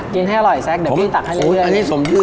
ให้อร่อยแซคเดี๋ยวพี่ตักให้เรื่อย